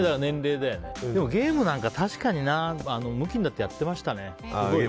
でも、ゲームは確かにムキになってやってましたね。